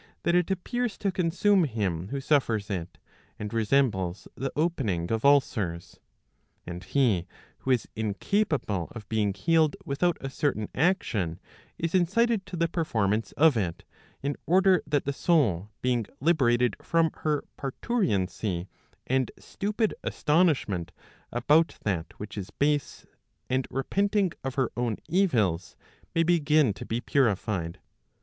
that it appears to consume him who suffers it, and resembles the opening of ulcers. And he who is incapable 1 of being healed without a certain action, is incited to the performance of it, in order that the soul being liberated from her parturiency and stupid astonishment about that which is base, and repenting of her own evils, may begin to be purified.